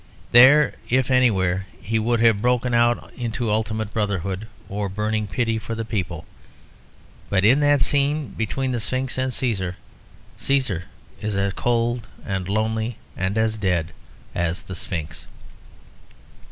There if anywhere he would have broken out into ultimate brotherhood or burning pity for the people. But in that scene between the Sphinx and Cæsar, Cæsar is as cold and as lonely and as dead as the Sphinx.